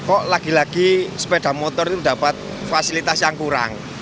kok lagi lagi sepeda motor itu dapat fasilitas yang kurang